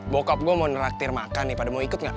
bokap gue mau neraktir makan nih pada mau ikut gak